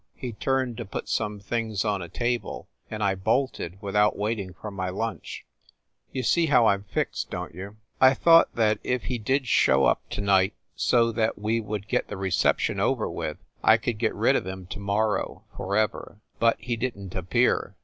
He turned to put some things on a table, and I bolted without waiting for my lunch. You see how I m fixed, don t you? I thought that if he did show up to night, so that we would get the reception over with, I coul d get rid of him to mor row, forever. But he didn t appear."